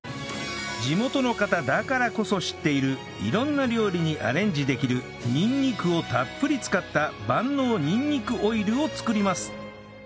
地元の方だからこそ知っている色んな料理にアレンジできるにんにくをたっぷり使った万能にんにくオイルを作ります